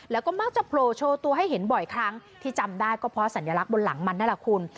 แล้วก็มักจะโผล่โชว์ตัวให้เห็นบ่อยครั้งที่จำได้ก็เพราะสัญลักษณ์บนหลังมันนั่นแหละคุณ